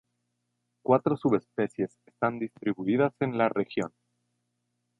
Cuatro subespecies están distribuidas en la región.